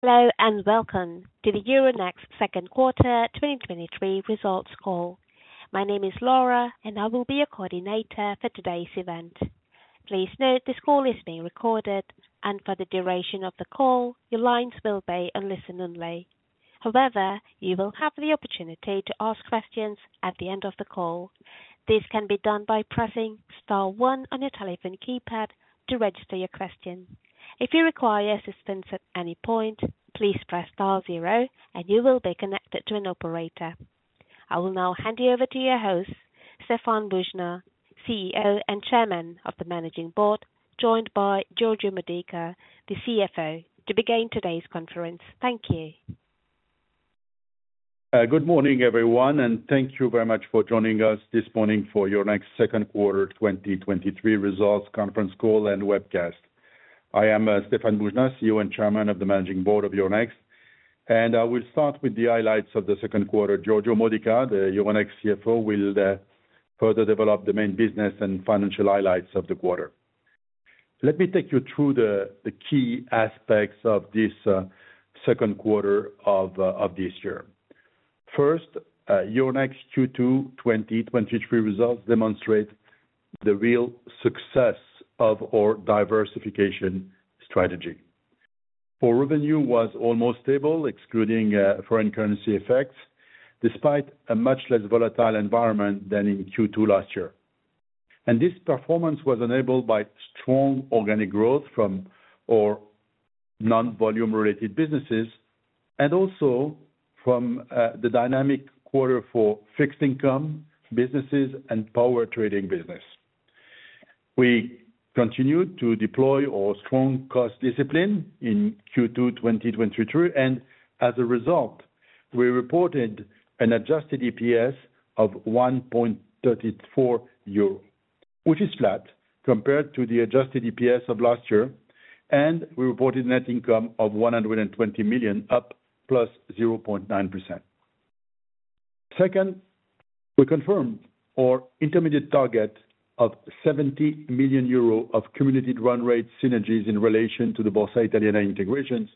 Hello, welcome to the Euronext Q2 2023 Results Call. My name is Laura, and I will be your coordinator for today's event. Please note this call is being recorded, and for the duration of the call, your lines will be on listen only. However, you will have the opportunity to ask questions at the end of the call. This can be done by pressing star one on your telephone keypad to register your question. If you require assistance at any point, please press star zero, and you will be connected to an operator. I will now hand you over to your host, Stéphane Boujnah, CEO and Chairman of the Managing Board, joined by Giorgio Modica, the CFO, to begin today's conference. Thank you. Good morning, everyone, and thank you very much for joining us this morning for Euronext Q2 2023 Results Conference Call and Webcast. I am Stéphane Boujnah, CEO and Chairman of the Managing Board of Euronext, and I will start with the highlights of the Q2. Giorgio Modica, the Euronext CFO, will further develop the main business and financial highlights of the quarter. Let me take you through the, the key aspects of this Q2 of this year. First, Euronext Q2 2023 results demonstrate the real success of our diversification strategy. Our revenue was almost stable, excluding foreign currency effects, despite a much less volatile environment than in Q2 last year. This performance was enabled by strong organic growth from our non-volume related businesses, and also from the dynamic quarter for fixed income businesses and power trading business. We continued to deploy our strong cost discipline in Q2 2023, and as a result, we reported an adjusted EPS of 1.34 euro, which is flat compared to the adjusted EPS of last year, and we reported net income of 120 million, up +0.9%. Second, we confirmed our intermediate target of 70 million euro of cumulative run rate synergies in relation to the Borsa Italiana integrations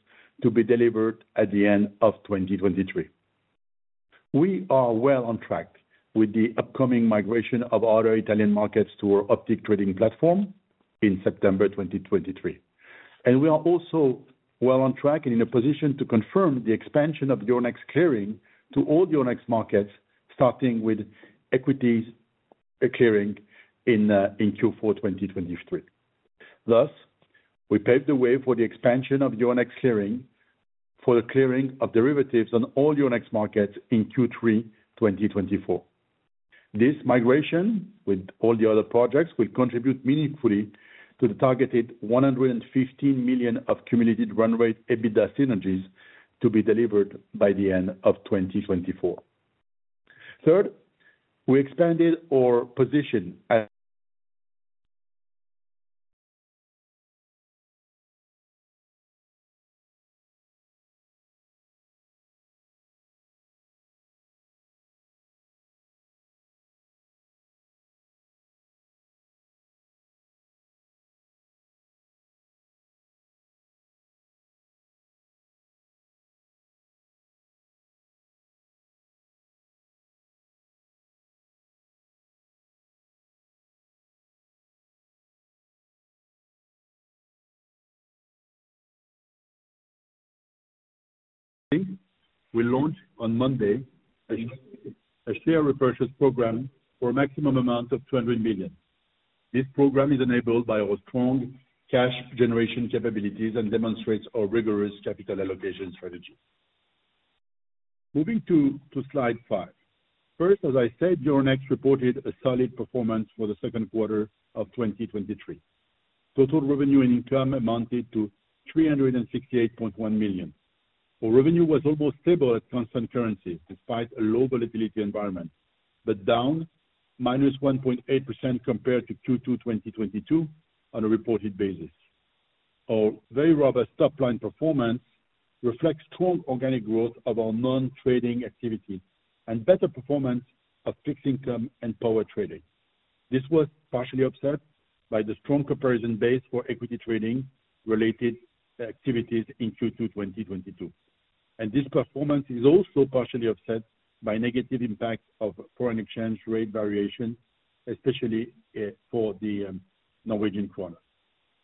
to be delivered at the end of 2023. We are well on track with the upcoming migration of other Italian markets to our Optiq trading platform in September 2023. We are also well on track and in a position to confirm the expansion of Euronext Clearing to all Euronext markets, starting with equities clearing in Q4 2023. Thus, we paved the way for the expansion of Euronext Clearing for the clearing of derivatives on all Euronext markets in Q3 2024. This migration, with all the other projects, will contribute meaningfully to the targeted 115 million of cumulative run rate EBITDA synergies to be delivered by the end of 2024. Third, we expanded our position as. We launched on Monday a share repurchase program for a maximum amount of 200 million. This program is enabled by our strong cash generation capabilities and demonstrates our rigorous capital allocation strategy. Moving to slide five. First, as I said, Euronext reported a solid performance for the Q2 of 2023. Total revenue and income amounted to 368.1 million. Our revenue was almost stable at constant currency, despite a low volatility environment, down -1.8% compared to Q2 2022 on a reported basis. Our very robust top-line performance reflects strong organic growth of our non-trading activity and better performance of fixed income and power trading. This was partially offset by the strong comparison base for equity trading-related activities in Q2 2022. This performance is also partially offset by negative impact of foreign exchange rate variation, especially for the Norwegian kroner.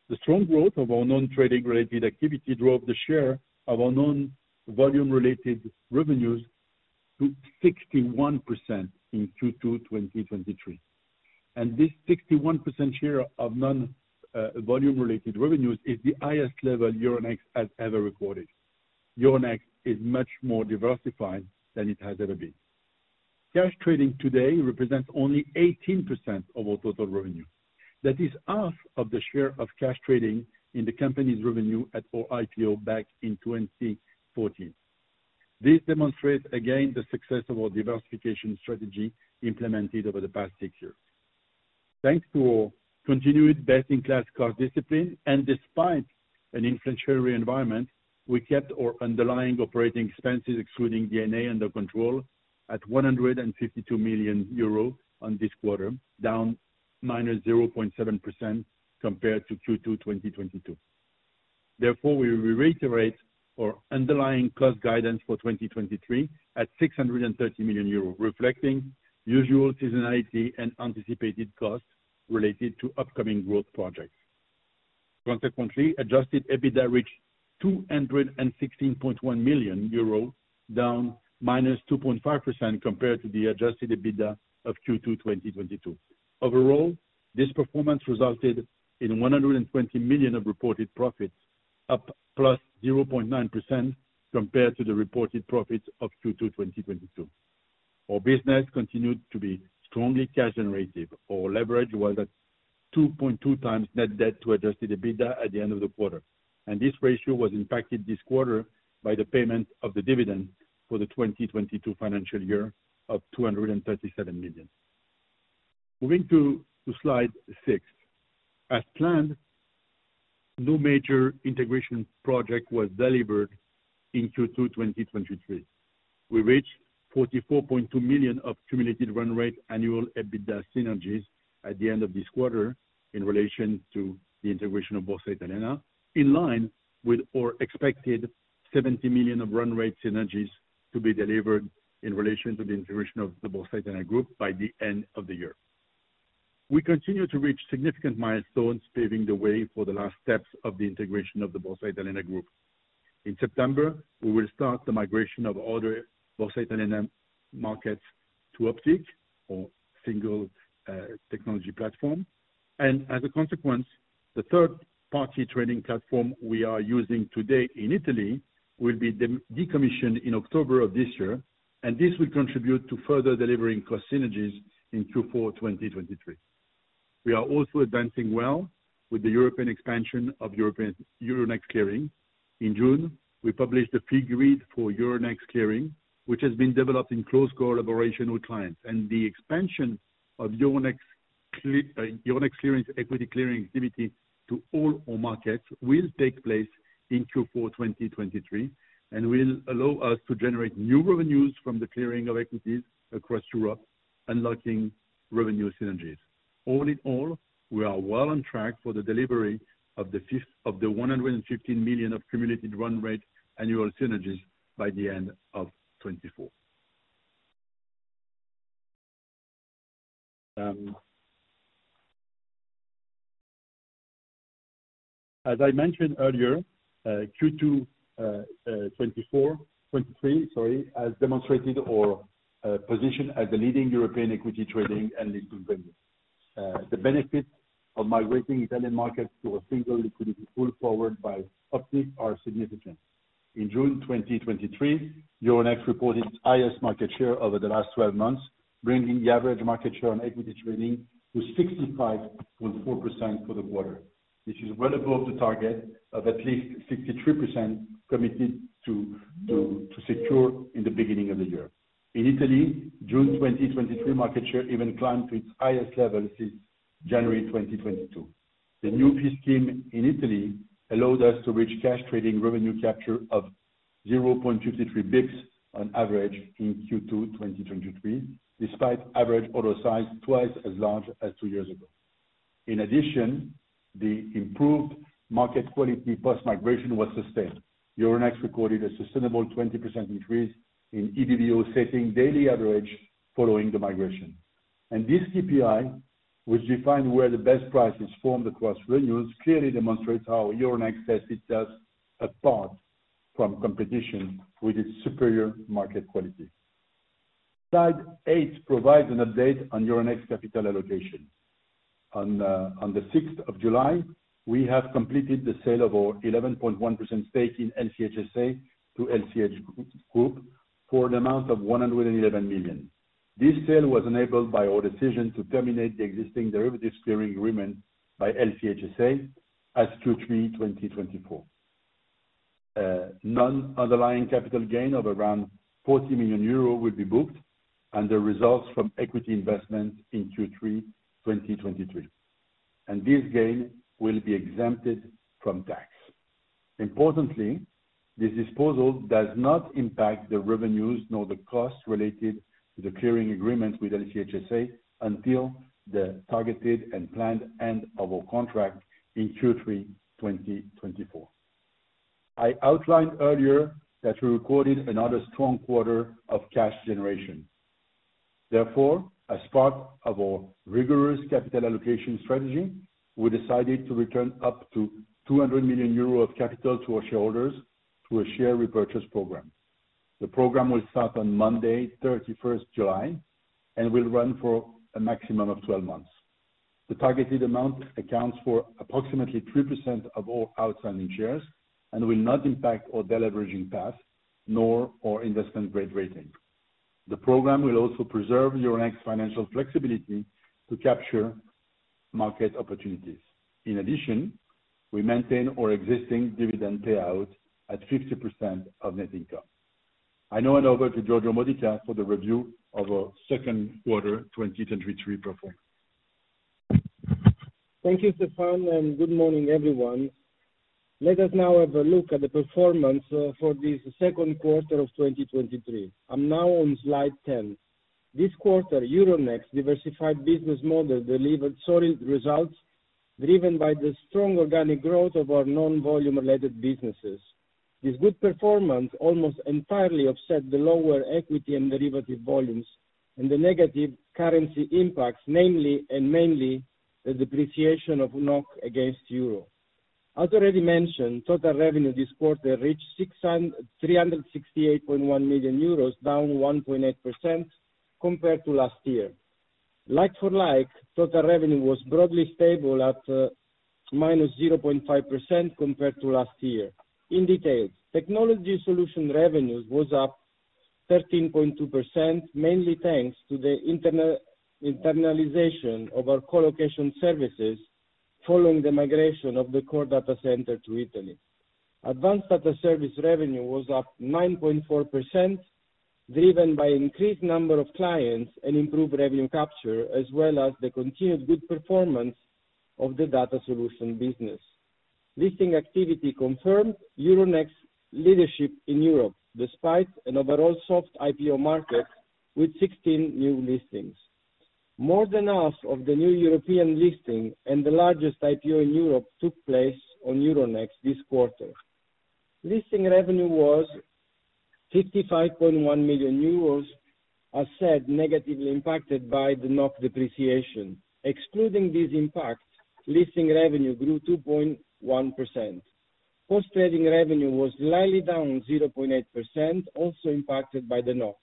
The strong growth of our non-trading-related activity drove the share of our non-volume related revenues to 61% in Q2 2023. This 61% share of non-volume-related revenues is the highest level Euronext has ever recorded. Euronext is much more diversified than it has ever been. Cash trading today represents only 18% of our total revenue. That is half of the share of cash trading in the company's revenue at our IPO back in 2014. This demonstrates again the success of our diversification strategy implemented over the past six years. Thanks to our continued best-in-class cost discipline, and despite an inflationary environment, we kept our underlying operating expenses, excluding D&A, under control at 152 million euro on this quarter, down -0.7% compared to Q2 2022. Therefore, we reiterate our underlying cost guidance for 2023 at 630 million euros, reflecting usual seasonality and anticipated costs related to upcoming growth projects. Consequently, adjusted EBITDA reached 216.1 million euro, down -2.5% compared to the adjusted EBITDA of Q2 2022. Overall, this performance resulted in 120 million of reported profits, up +0.9% compared to the reported profits of Q2 2022. Our business continued to be strongly cash generative. Our leverage was at 2.2x net debt to adjusted EBITDA at the end of the quarter, and this ratio was impacted this quarter by the payment of the dividend for the 2022 financial year of 237 million. Moving to slide six. As planned, no major integration project was delivered in Q2 2023. We reached 44.2 million of cumulative run rate annual EBITDA synergies at the end of this quarter, in relation to the integration of Borsa Italiana, in line with our expected 70 million of run rate synergies to be delivered in relation to the integration of the Borsa Italiana group by the end of the year. We continue to reach significant milestones, paving the way for the last steps of the integration of the Borsa Italiana Group. In September, we will start the migration of all the Borsa Italiana markets to Optiq or single technology platform. As a consequence, the third-party trading platform we are using today in Italy will be decommissioned in October of this year, and this will contribute to further delivering cost synergies in Q4 2023. We are also advancing well with the European expansion of Euronext Clearing. In June, we published a fee grid for Euronext Clearing, which has been developed in close collaboration with clients. The expansion of Euronext Clearing's equity clearing activity to all our markets will take place in Q4 2023, and will allow us to generate new revenues from the clearing of equities across Europe, unlocking revenue synergies. All in all, we are well on track for the delivery of the 115 million of cumulative run rate annual synergies by the end of 2024. As I mentioned earlier, Q2 2024, 2023, sorry, has demonstrated our position as a leading European equity trading and listing venue. The benefits of migrating Italian markets to a single liquidity pool forward by Optiq are significant. In June 2023, Euronext reported its highest market share over the last 12 months, bringing the average market share on equity trading to 65.4% for the quarter. This is well above the target of at least 63% committed to secure in the beginning of the year. In Italy, June 2023 market share even climbed to its highest level since January 2022. The new fee scheme in Italy allowed us to reach cash trading revenue capture of 0.53 Bps on average in Q2 2023, despite average order size twice as large as two years ago. In addition, the improved market quality post-migration was sustained. Euronext recorded a sustainable 20% increase in EBBO, setting daily average following the migration. This KPI, which defined where the best price is formed across venues, clearly demonstrates how Euronext sets itself apart from competition with its superior market quality. Slide eight provides an update on Euronext capital allocation. On the 6th of July, we have completed the sale of our 11.1% stake in LCH SA to LCH Group for the amount of 111 million. This sale was enabled by our decision to terminate the existing derivatives clearing agreement by LCH SA as Q3 2024. Non-underlying capital gain of around 40 million euro will be booked and the results from equity investment in Q3 2023, and this gain will be exempted from tax. Importantly, this disposal does not impact the revenues nor the costs related to the clearing agreement with LCH SA until the targeted and planned end of our contract in Q3 2024. I outlined earlier that we recorded another strong quarter of cash generation. Therefore as part of our rigorous capital allocation strategy, we decided to return up to 200 million euro of capital to our shareholders through a share repurchase program. The program will start on Monday, 31st July, and will run for a maximum of 12 months. The targeted amount accounts for approximately 3% of all outstanding shares and will not impact our deleveraging path nor our investment-grade rating. The program will also preserve Euronext's financial flexibility to capture market opportunities. In addition we maintain our existing dividend payout at 50% of net income. I now hand over to Giorgio Modica for the review of our Q2 2023 performance. Thank you, Stéphane, and good morning, everyone. Let us now have a look at the performance for this Q2 of 2023. I'm now on slide 10. This quarter, Euronext's diversified business model delivered solid results, driven by the strong organic growth of our non-volume related businesses. This good performance almost entirely offset the lower equity and derivative volumes and the negative currency impacts, namely, and mainly, the depreciation of NOK against EUR. As already mentioned, total revenue this quarter reached 368.1 million euros, down 1.8% compared to last year. Like for like, total revenue was broadly stable at -0.5% compared to last year. In detail, technology solution revenues was up 13.2%, mainly thanks to the internalization of our colocation services, following the migration of the core data center to Italy. Advanced data service revenue was up 9.4%, driven by increased number of clients and improved revenue capture, as well as the continued good performance of the data solution business. Listing activity confirmed Euronext's leadership in Europe, despite an overall soft IPO market with 16 new listings. More than half of the new European listings and the largest IPO in Europe took place on Euronext this quarter. Listing revenue was 55.1 million euros, as said, negatively impacted by the NOK depreciation. Excluding this impact, listing revenue grew 2.1%. Post trading revenue was slightly down 0.8%, also impacted by the NOK.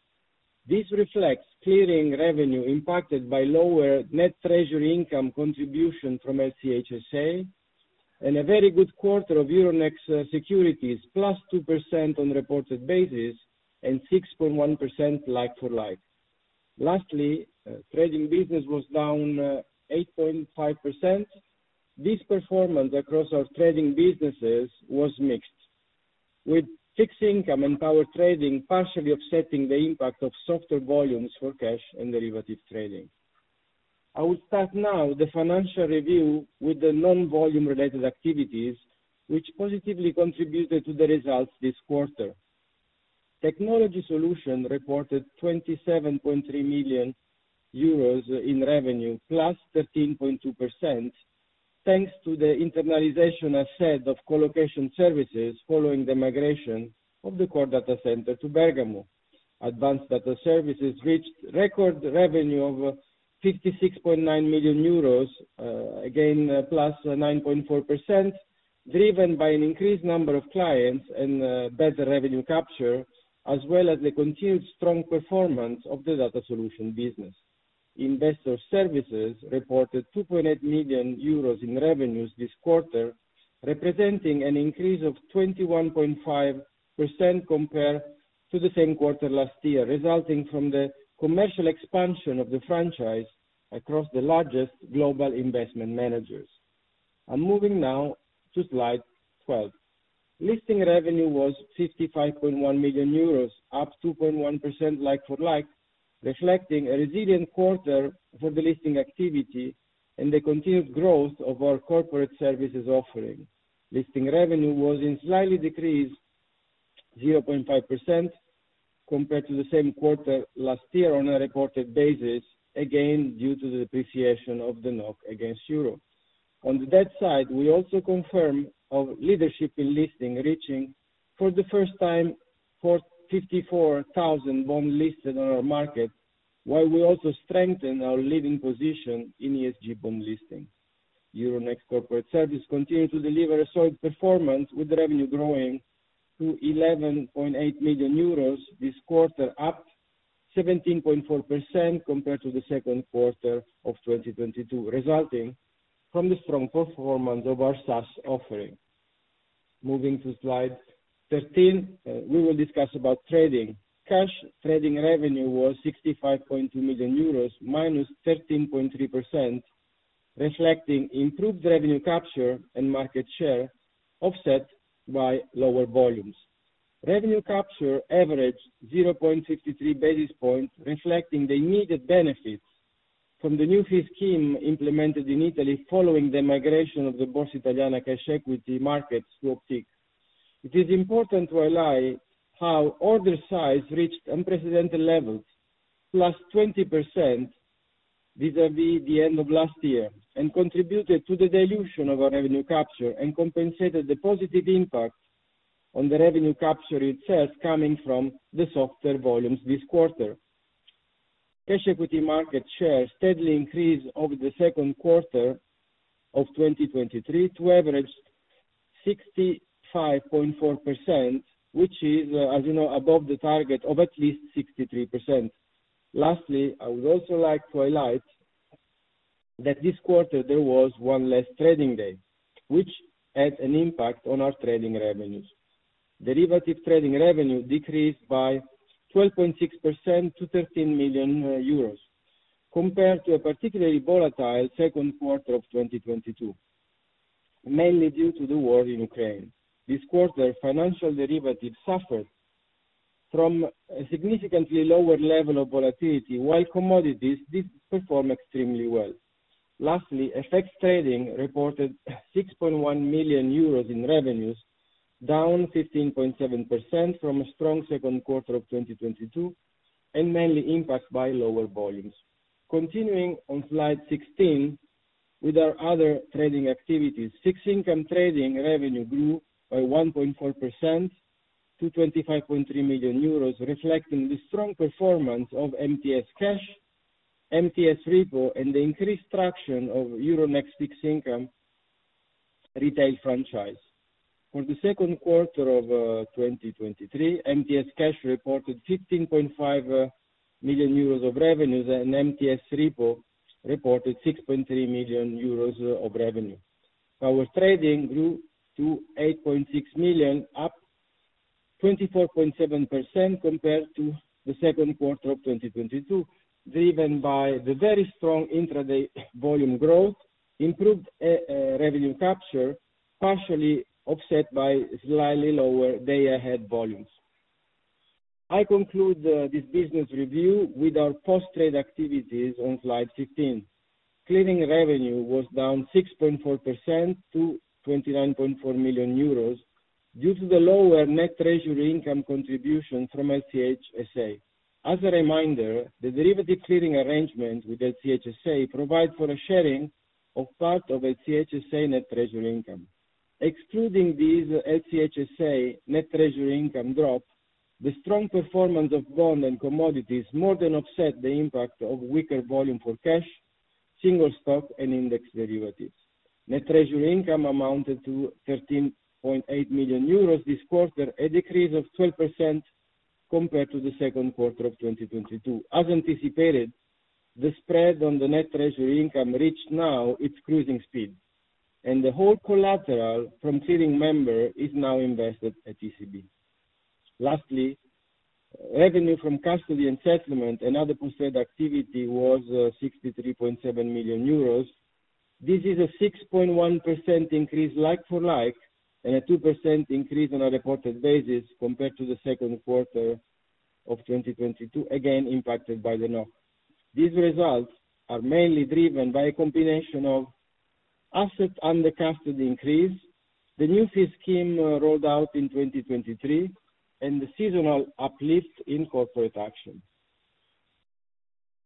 This reflects clearing revenue impacted by lower net treasury income contribution from LCH SA, and a very good quarter of Euronext securities, +2% on reported basis and 6.1% like for like. Lastly, trading business was down 8.5%. This performance across our trading businesses was mixed, with fixed income and power trading partially offsetting the impact of softer volumes for cash and derivative trading. I will start now the financial review with the non-volume related activities, which positively contributed to the results this quarter. Technology solution reported 27.3 million euros in revenue, +13.2%, thanks to the internalization, I said, of colocation services following the migration of the core data center to Bergamo. Advanced data services reached record revenue of 56.9 million euros again +9.4% driven by an increased number of clients and better revenue capture, as well as the continued strong performance of the data solution business. Investor Services reported 2.8 million euros in revenues this quarter, representing an increase of 21.5% compared to the same quarter last year, resulting from the commercial expansion of the franchise across the largest global investment managers. I'm moving now to slide 12. Listing revenue was 55.1 million euros, up 2.1% like for like, reflecting a resilient quarter for the listing activity and the continued growth of our corporate services offering. Listing revenue was in slightly decreased 0.5% compared to the same quarter last year on a reported basis again due to the depreciation of the NOK against euro. On the debt side, we also confirm our leadership in listing, reaching, for the first time, 454,000 bond listings on our market, while we also strengthen our leading position in ESG bond listing. Euronext Corporate Services continued to deliver a solid performance, with revenue growing to 11.8 million euros this quarter, up 17.4% compared to the Q2 of 2022, resulting from the strong performance of our SaaS offering. Moving to slide 13, we will discuss about trading. Cash trading revenue was 65.2 million euros, -13.3%, reflecting improved revenue capture and market share, offset by lower volumes. Revenue capture averaged 0.53 basis points, reflecting the needed benefits from the new fee scheme implemented in Italy, following the migration of the Borsa Italiana cash equity markets to Optiq. It is important to highlight how order size reached unprecedented levels, +20% vis-a-vis the end of last year and contributed to the dilution of our revenue capture and compensated the positive impact on the revenue capture itself coming from the softer volumes this quarter. Cash equity market shares steadily increased over the Q2 of 2023 to average 65.4%, which is, as you know, above the target of at least 63%. Lastly, I would also like to highlight that this quarter there was one less trading day, which had an impact on our trading revenues. Derivative trading revenue decreased by 12.6% to 13 million euros, compared to a particularly volatile Q2 of 2022, mainly due to the war in Ukraine. This quarter, financial derivatives suffered from a significantly lower level of volatility, while commodities did perform extremely well. Lastly, FX trading reported 6.1 million euros in revenues, down 15.7% from a strong Q2 of 2022, and mainly impacted by lower volumes. Continuing on slide 16, with our other trading activities, fixed income trading revenue grew by 1.4% to 25.3 million euros, reflecting the strong performance of MTS Cash, MTS Repo, and the increased traction of Euronext fixed income retail franchise. For the Q2 of 2023, MTS Cash reported 15.5 million euros of revenues. MTS Repo reported 6.3 million euros of revenue. Our trading grew to 8.6 million, up 24.7% compared to the Q2 of 2022, driven by the very strong intraday volume growth, improved revenue capture, partially offset by slightly lower day ahead volumes. I conclude this business review with our post-trade activities on slide 15. Clearing revenue was down 6.4% to 29.4 million euros due to the lower net treasury income contribution from LCH SA. As a reminder, the derivative clearing arrangement with LCH SA provide for a sharing of part of LCH SA net treasury income. Excluding these LCH SA net treasury income drop, the strong performance of bond and commodities more than offset the impact of weaker volume for cash, single stock, and index derivatives. Net treasury income amounted to 13.8 million euros this quarter, a decrease of 12% compared to the Q2 2022. As anticipated, the spread on the net treasury income reached now its cruising speed, the whole collateral from clearing member is now invested at ECB. Lastly, revenue from custody and settlement, another post-trade activity, was 63.7 million euros. This is a 6.1% increase like for like, a 2% increase on a reported basis compared to the Q2 2022, again, impacted by the NOK. These results are mainly driven by a combination of asset under custody increase, the new fee scheme, rolled out in 2023, and the seasonal uplift in corporate action.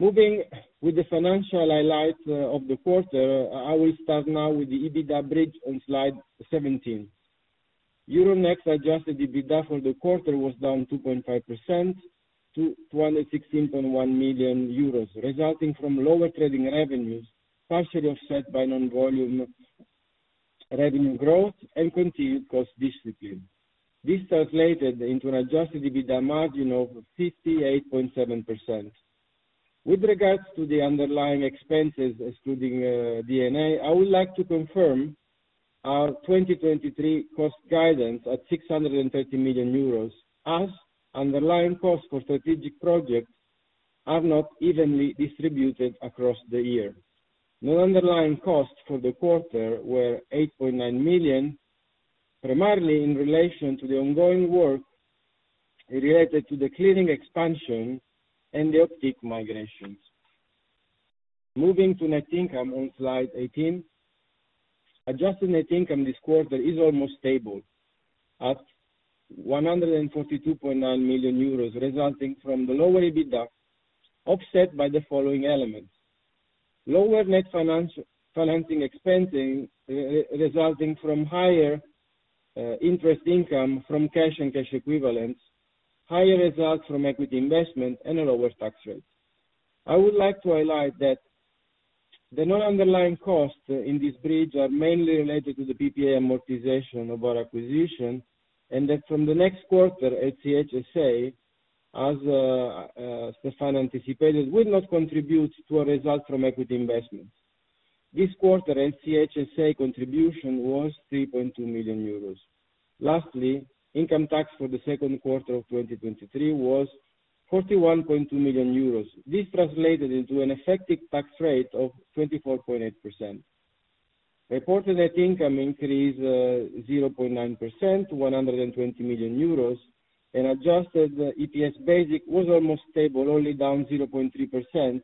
Moving with the financial highlight of the quarter, I will start now with the EBITDA bridge on slide 17. Euronext adjusted EBITDA for the quarter was down 2.5% to 216.1 million euros, resulting from lower trading revenues, partially offset by non-volume revenue growth and continued cost discipline. This translated into an adjusted EBITDA margin of 58.7%. With regards to the underlying expenses, excluding D&A, I would like to confirm our 2023 cost guidance at 630 million euros, as underlying costs for strategic projects are not evenly distributed across the year. Non-underlying costs for the quarter were 8.9 million, primarily in relation to the ongoing work related to the clearing expansion and the Optiq migrations. Moving to net income on slide 18. Adjusted net income this quarter is almost stable, at 142.9 million euros, resulting from the lower EBITDA, offset by the following elements: Lower net financing expensing, resulting from higher interest income from cash and cash equivalents, higher results from equity investment, and a lower tax rate. I would like to highlight that the non-underlying costs in this bridge are mainly related to the PPA amortization of our acquisition, and that from the next quarter, LCH SA, as Stéphane anticipated, will not contribute to a result from equity investments. This quarter, LCH SA contribution was 3.2 million euros. Lastly, income tax for the Q2 of 2023 was 41.2 million euros. This translated into an effective tax rate of 24.8%. Reported net income increased 0.9% to 120 million euros, Adjusted EPS basic was almost stable, only down 0.3%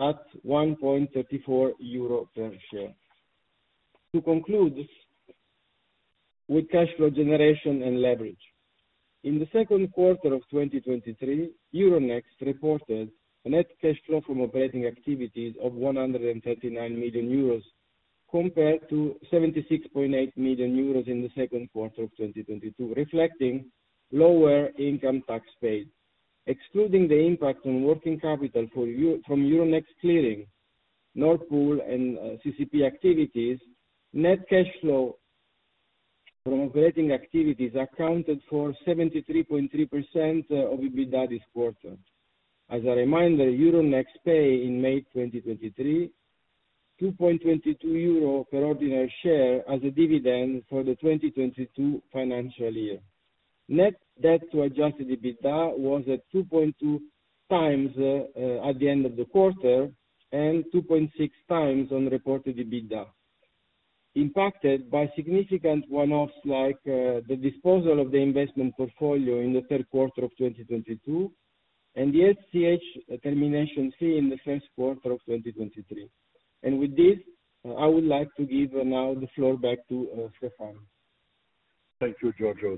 at 1.34 euro per share. To conclude, with cash flow generation and leverage. In the Q2 of 2023, Euronext reported a net cash flow from operating activities of 139 million euros, compared to 76.8 million euros in the Q2 of 2022, reflecting lower income tax paid. Excluding the impact on working capital from Euronext Clearing, Nord Pool and CCP activities, net cash flow from operating activities accounted for 73.3% of EBITDA this quarter. As a reminder, Euronext paid in May 2023, 2.22 euro per ordinary share as a dividend for the 2022 financial year. Net debt to adjusted EBITDA was at 2.2x at the end of the quarter, and 2.6x on reported EBITDA. Impacted by significant one-offs, like the disposal of the investment portfolio in the Q3 of 2022, and the SCH termination fee in the Q1 of 2023. With this, I would like to give now the floor back to Stéphane. Thank you, Giorgio.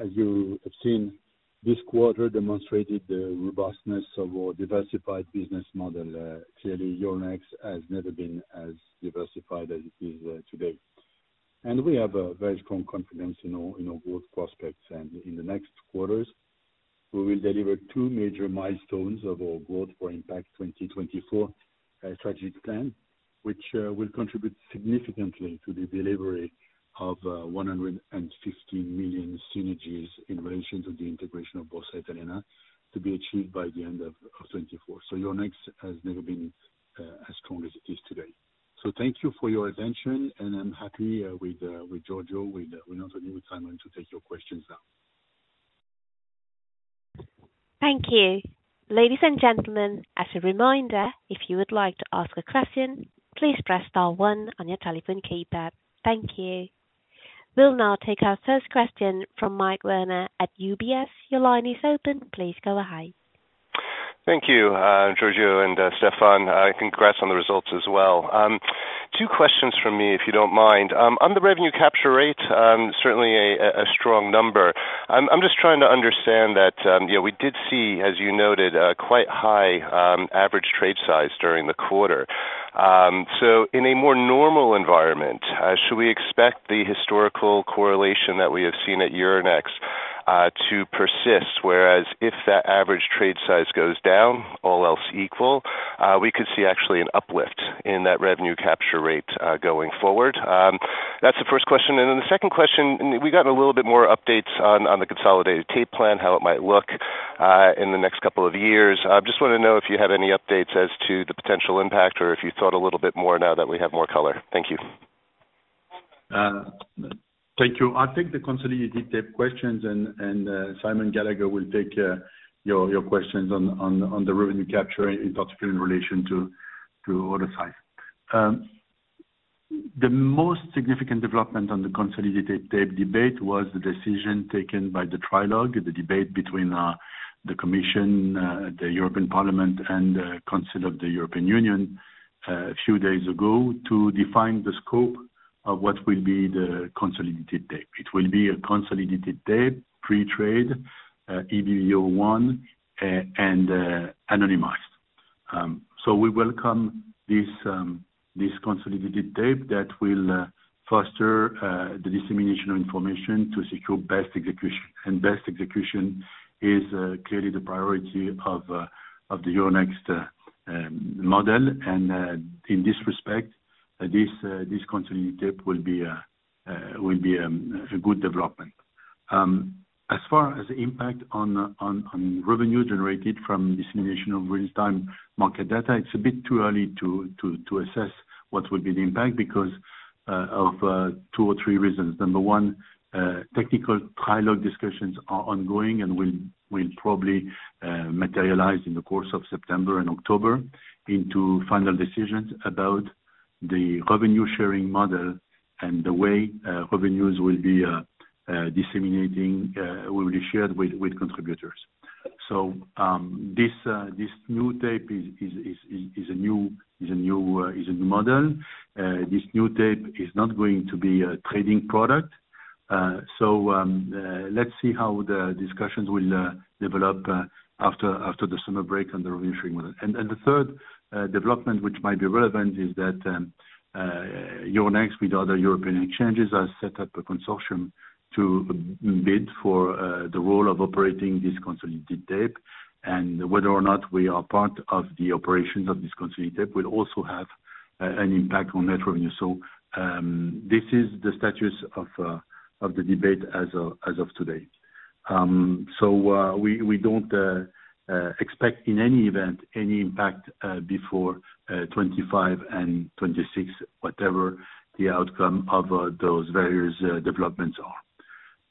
As you have seen, this quarter demonstrated the robustness of our diversified business model. Clearly, Euronext has never been as diversified as it is today. We have a very strong confidence in our, in our growth prospects. In the next quarters, we will deliver two major milestones of our Growth for Impact 2024 strategic plan, which will contribute significantly to the delivery of 150 million synergies in relation to the integration of Borsa Italiana, to be achieved by the end of 2024. Euronext has never been as strong as it is today. Thank you for your attention, and I'm happy with with Giorgio, with Renato, and with Simon to take your questions now. Thank you. Ladies and gentlemen, as a reminder, if you would like to ask a question, please press star one on your telephone keypad. Thank you. We'll now take our first question from Mike Werner at UBS. Your line is open. Please go ahead. Thank you, Giorgio and Stéphane. Congrats on the results as well. Two questions from me, if you don't mind. On the revenue capture rate, certainly a strong number. I'm, I'm just trying to understand that, you know, we did see, as you noted, a quite high average trade size during the quarter. So, in a more normal environment, should we expect the historical correlation that we have seen at Euronext to persist? Whereas if that average trade size goes down, all else equal, we could see actually an uplift in that revenue capture rate going forward. That's the first question. The second question, we've gotten a little bit more updates on, on the consolidated tape plan, how it might look in the next couple of years. I just wanna know if you have any updates as to the potential impact, or if you thought a little bit more now that we have more color. Thank you. Thank you. I'll take the consolidated tape questions, and Simon Gallagher will take your questions on the revenue capture, in particular in relation to order size. The most significant development on the consolidated tape debate was the decision taken by the trilogue, the debate between the commission, the European Parliament, and Council of the European Union, a few days ago to define the scope of what will be the consolidated tape. It will be a consolidated tape, pre-trade, EBBO one, and anonymized. So we welcome this consolidated tape that will foster the dissemination of information to secure best execution. Best execution is clearly the priority of the Euronext model. In this respect, this consolidated tape will be a good development. As far as the impact on revenue generated from dissemination of real-time market data, it's a bit too early to assess what will be the impact, because of two or three reasons. Number one, technical trilogue discussions are ongoing and will probably materialize in the course of September and October into final decisions about the revenue-sharing model and the way revenues will be disseminating, will be shared with contributors. This new tape is, is, is, is a new, is a new model. This new tape is not going to be a trading product. So let's see how the discussions will develop after the summer break and the revenue-sharing model. The third development, which might be relevant, is that Euronext with other European exchanges have set up a consortium to bid for the role of operating this consolidated tape. Whether or not we are part of the operations of this consolidated tape, will also have an impact on net revenue. This is the status of the debate as of today. We don't expect in any event, any impact before 2025 and 2026, whatever the outcome of those various developments are.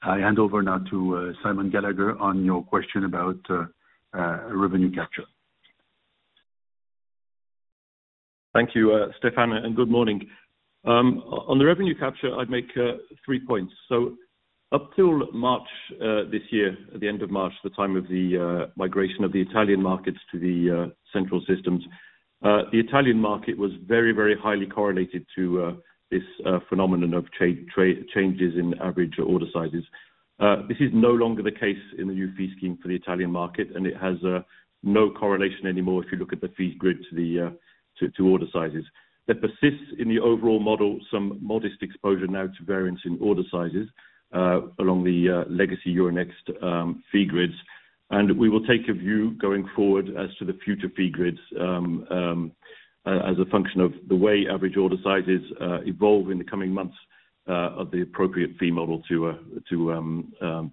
I hand over now to Simon Gallagher on your question about revenue capture. Thank you, Stéphane, and good morning. On the revenue capture, I'd make three points. Up till March this year, at the end of March, the time of the migration of the Italian markets to the central systems, the Italian market was very, very highly correlated to this phenomenon of cha- tra- changes in average order sizes. This is no longer the case in the new fee scheme for the Italian market, and it has no correlation anymore if you look at the fee grid to the to order sizes. That persists in the overall model, some modest exposure now to variance in order sizes along the legacy Euronext fee grids. We will take a view going forward as to the future fee grids, as a function of the way average order sizes, evolve in the coming months, of the appropriate fee model to, to,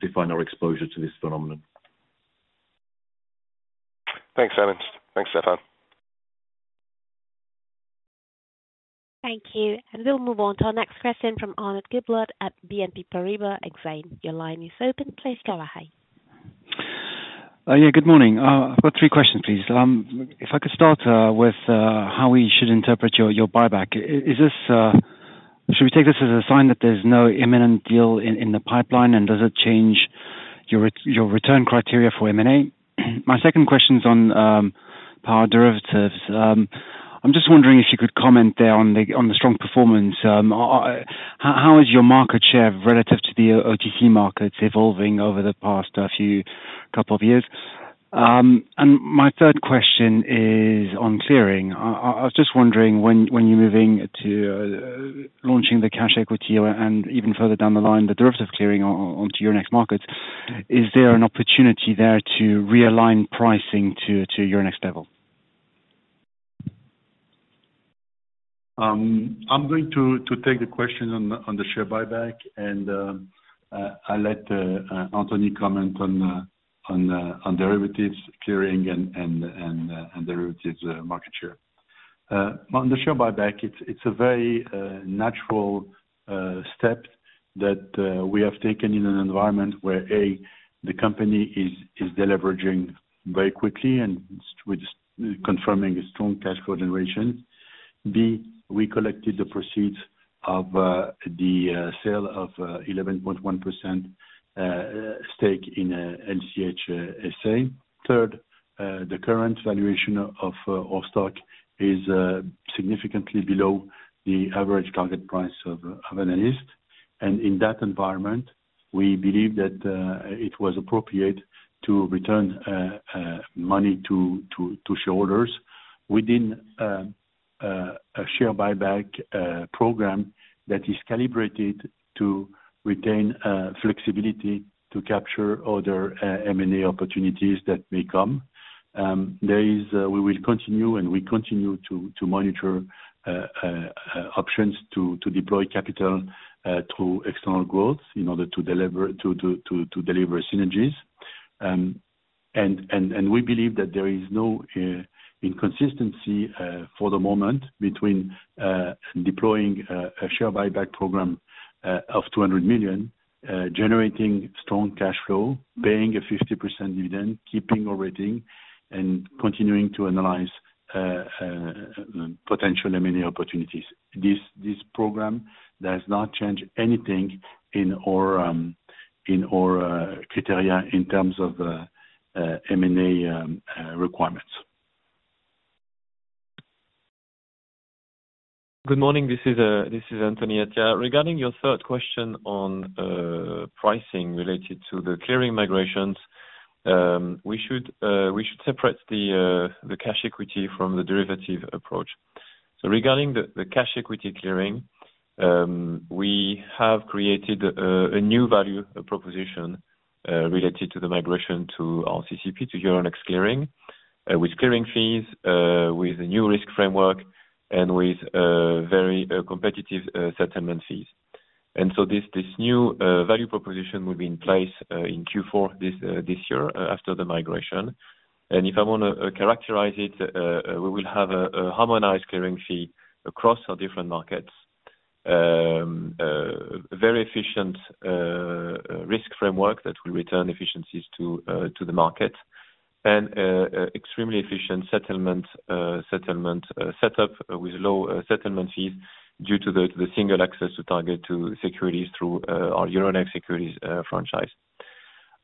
define our exposure to this phenomenon. Thanks, Simon. Thanks, Stéphane. We'll move on to our next question from Arnaud Giblat at BNP Paribas Exane. Your line is open. Please go ahead. Yeah, good morning. I've got three questions please. If I could start with how we should interpret your buyback. Is this, should we take this as a sign that there's no imminent deal in the pipeline, and does it change your return criteria for M&A? My second question's on power derivatives. I'm just wondering if you could comment there on the strong performance. How, how is your market share relative to the OTC markets evolving over the past few couple of years? My third question is on clearing. I was just wondering when, when you're moving to launching the cash equity and even further down the line, the derivative clearing onto Euronext markets, is there an opportunity there to realign pricing to, to Euronext level? I'm going to take the question on the share buyback and I'll let Anthony comment on derivatives clearing and derivatives market share. On the share buyback it's a very natural step that we have taken in an environment where A, the company is deleveraging very quickly, and we're just confirming a strong cash flow generation. B, we collected the proceeds of the sale of 11.1% stake in LCH SA. Third, the current valuation of stock is significantly below the average target price of analysts. And in that environment, we believe that it was appropriate to return money to shareholders within a share buyback program that is calibrated to retain flexibility to capture other M&A opportunities that may come. There is, we will continue, and we continue to monitor options to deploy capital through external growth, in order to deliver synergies. We believe that there is no inconsistency for the moment, between deploying a share buyback program of 200 million, generating strong cash flow, paying a 50% dividend, keeping our rating, and continuing to analyze potential M&A opportunities. This, this program does not change anything in our, in our criteria in terms of M&A requirements. Good morning. This is, this is Anthony Attia. Regarding your third question on pricing related to the clearing migrations, we should, we should separate the cash equity from the derivative approach. Regarding the, the cash equity clearing, we have created a new value proposition related to the migration to our CCP, to Euronext Clearing, with clearing fees, with a new risk framework and with very competitive settlement fees. This, this new value proposition will be in place in Q4 this year after the migration. If I want to characterize it, we will have a harmonized clearing fee across our different markets. Very efficient risk framework that will return efficiencies to the market, and extremely efficient settlement settlement setup with low settlement fees, due to the single access to TARGET2-Securities through our Euronext Securities franchise.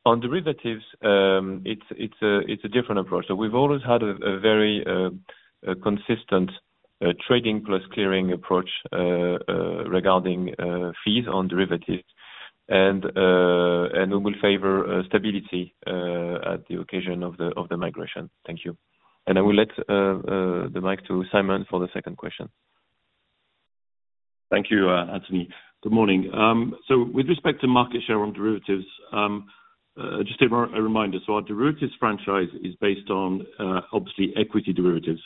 On derivatives, it's, it's a, it's a different approach. We've always had a, a very consistent trading plus clearing approach regarding fees on derivatives, and we will favor stability at the occasion of the migration. Thank you. I will let the mic to Simon Gallagher for the second question. Thank you, Anthony. Good morning. With respect to market share on derivatives, just a reminder, so our derivatives franchise is based on obviously equity derivatives,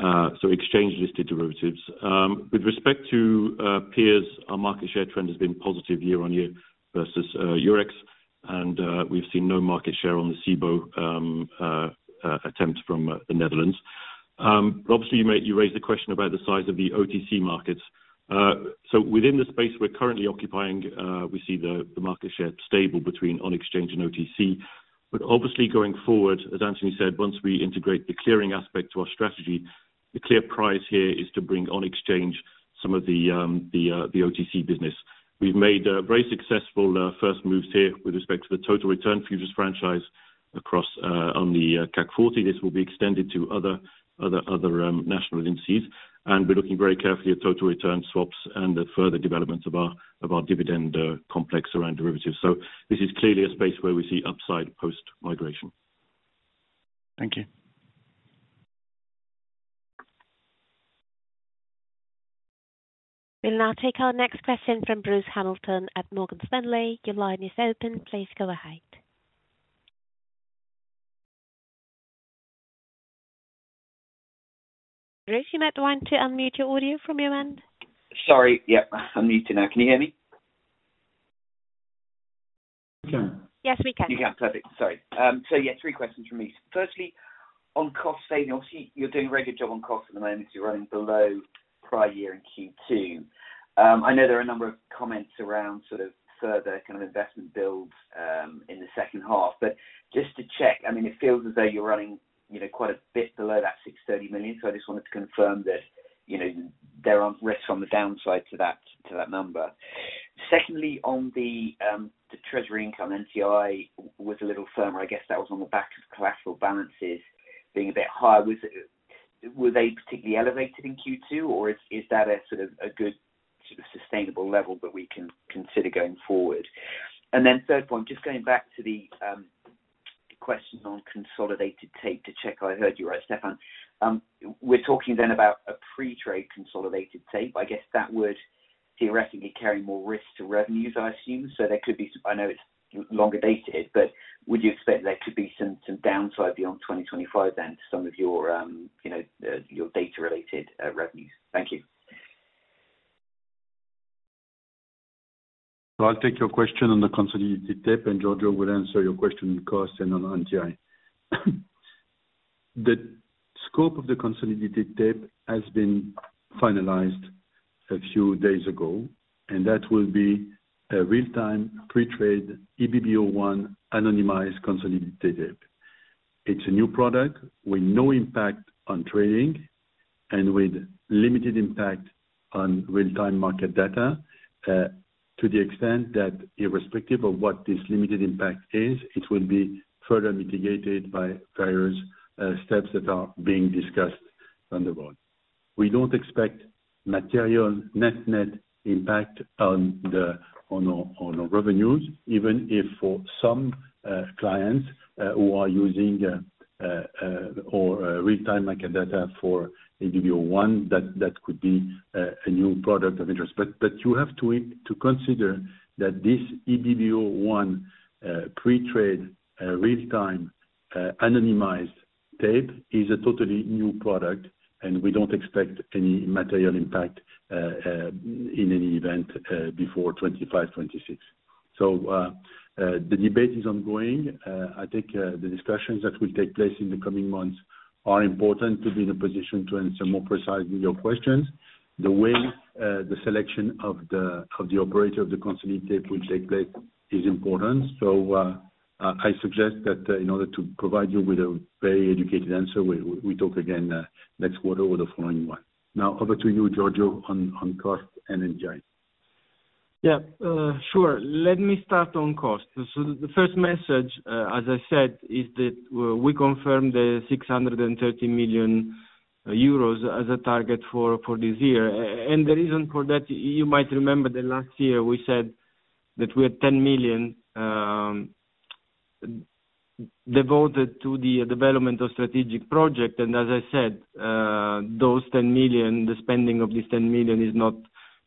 so exchange-listed derivatives. With respect to peers, our market share trend has been positive year-on-year versus Eurex, and we've seen no market share on the CBOE attempt from the Netherlands. Obviously, you raised the question about the size of the OTC markets. Within the space we're currently occupying, we see the market share stable between on exchange and OTC. Obviously going forward, as Anthony said, once we integrate the clearing aspect to our strategy, the clear prize here is to bring on exchange some of the OTC business. We've made very successful first moves here with respect to the Total Return Futures franchise across on the CAC 40. This will be extended to other, other, other national indices. We're looking very carefully at total return swaps and the further developments of our, of our dividend complex around derivatives. This is clearly a space where we see upside post-migration. Thank you. We'll now take our next question from Bruce Hamilton at Morgan Stanley. Your line is open. Please go ahead. Bruce, you might want to unmute your audio from your end. Sorry. Yeah, I'm unmuted now. Can you hear me? Can? Yes, we can. You can, perfect. Sorry. Yeah, three questions from me. Firstly, on cost saving, obviously, you're doing a very good job on cost at the moment, you're running below prior year in Q2. I know there are a number of comments around, sort of, further kind of investment builds, in the second half. Just to check, I mean, it feels as though you're running, you know, quite a bit below that 630 million, so I just wanted to confirm that, you know, there aren't risks on the downside to that, to that number. Secondly, on the, the treasury income, NTI was a little firmer, I guess that was on the back of collateral balances being a bit higher. Were they particularly elevated in Q2, or is that a sort of a good sort of sustainable level that we can consider going forward? Then third point, just going back to the question on consolidated tape to check, I heard you right, Stéphane. We're talking then about a pre-trade consolidated tape. I guess that would theoretically carry more risk to revenues, I assume, so there could be some, I know it's longer dated, but would you expect there to be some, some downside beyond 2025, then to some of your, you know, your data related revenues? Thank you. I'll take your question on the consolidated tape, and Giorgio will answer your question on cost and on NTI. The scope of the consolidated tape has been finalized a few days ago, and that will be a real-time, pre-trade, EBBO one, anonymized, consolidated. It's a new product with no impact on trading and with limited impact on real-time market data, to the extent that irrespective of what this limited impact is, it will be further mitigated by various steps that are being discussed on the board. We don't expect material net-net impact on our revenues, even if for some clients who are using or real-time market data for EBBO one, that could be a new product of interest. You have to consider that this EBBO-1 pre-trade real-time anonymized tape is a totally new product, and we don't expect any material impact in any event before 2025, 2026. The debate is ongoing. I think the discussions that will take place in the coming months are important to be in a position to answer more precisely your questions. The way the selection of the operator of the consolidated tape will take place is important. I suggest that in order to provide you with a very educated answer, we talk again next quarter or the following one. Over to you, Giorgio, on cost and NTI. Yeah, sure. Let me start on cost. The, the first message, as I said, is that we confirm the 630 million euros as a target for, for this year. The reason for that, you might remember that last year we said that we had 10 million devoted to the development of strategic project. As I said, those 10 million, the spending of this 10 million is not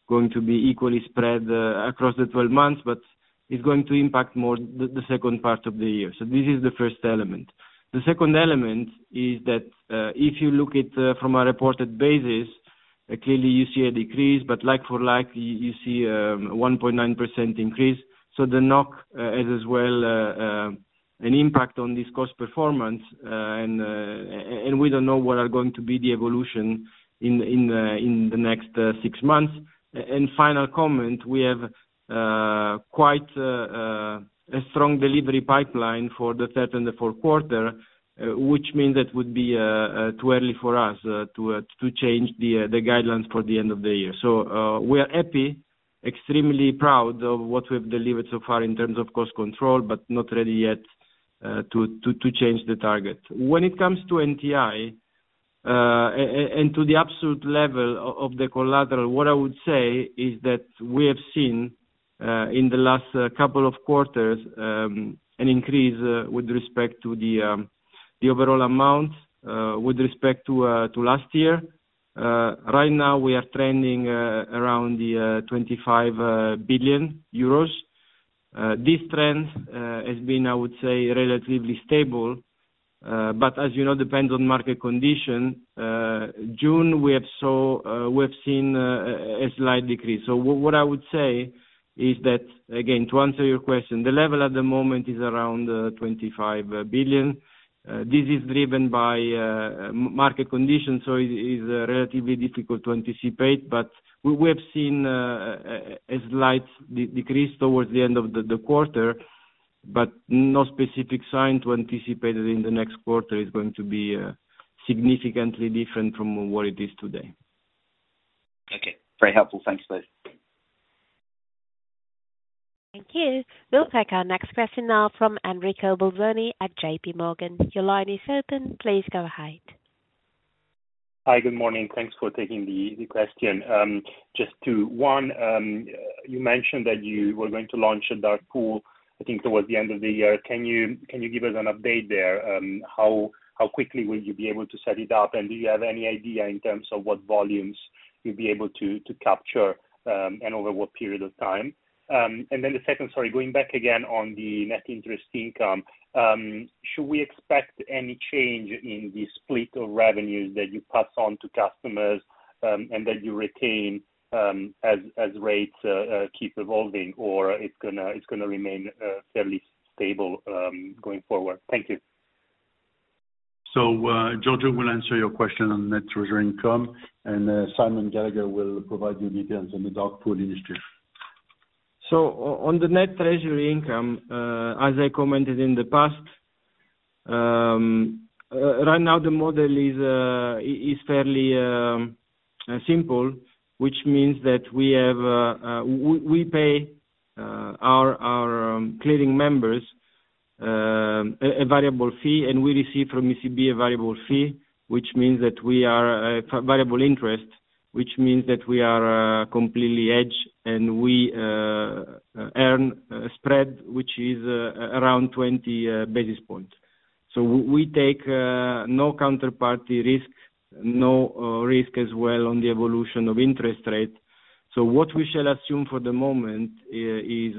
going to be equally spread across the 12 months, but is going to impact more the, the second part of the year. This is the first element. The second element is that if you look at from a reported basis, clearly you see a decrease. Like for like, you see a 1.9% increase, so the NOK as well an impact on this cost performance. We don't know what are going to be the evolution in the next six months. Final comment, we have quite a strong delivery pipeline for the third and fourth quarter, which means it would be too early for us to change the guidelines for the end of the year. We are happy, extremely proud of what we've delivered so far in terms of cost control, but not ready yet to change the target. When it comes to NTI, and to the absolute level of the collateral, what I would say is that we have seen in the last couple of quarters, an increase with respect to the overall amount with respect to to last year. Right now we are trending around the 25 billion euros. This trend has been, I would say, relatively stable, as you know, depends on market condition. June we have saw, we have seen a slight decrease. What I would say is that, again, to answer your question, the level at the moment is around 25 billion. This is driven by market conditions, so it is relatively difficult to anticipate, but we have seen a slight decrease towards the end of the quarter, but no specific sign to anticipate that in the next quarter is going to be significantly different from what it is today. Okay, very helpful. Thank you both. Thank you. We'll take our next question now from Enrico Bolzoni at JPMorgan. Your line is open, please go ahead. Hi, good morning, thanks for taking the, the question. Just to one, you mentioned that you were going to launch a dark pool, I think towards the end of the year. Can you, can you give us an update there? How, how quickly will you be able to set it up, and do you have any idea in terms of what volumes you'll be able to, to capture, and over what period of time? Then the 2nd, sorry, going back again on the net interest income, should we expect any change in the split of revenues that you pass on to customers, and that you retain, as, as rates keep evolving, or it's gonna, it's gonna remain fairly stable going forward? Thank you. So, Giorgio will answer your question on net treasury income, and Simon Gallagher will provide you details on the dark pool industry. On the net treasury income, as I commented in the past, right now the model is fairly simple, which means that we have we pay our our clearing members a variable fee, and we receive from ECB a variable fee, which means that we are variable interest, which means that we are completely hedged, and we earn a spread, which is around 20 basis points. We take no counterparty risk, no risk as well on the evolution of interest rate. What we shall assume for the moment is